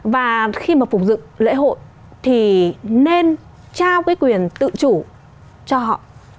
và khi mà phục dựng lễ hội thì nên trao cái quyền tự chủ cho họ